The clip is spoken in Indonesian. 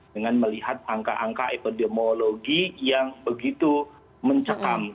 dengan melihat angka angka epidemiologi yang begitu mencekam